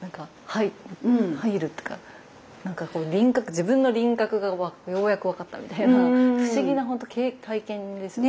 自分の輪郭がようやく分かったみたいな不思議なほんと体験ですよね。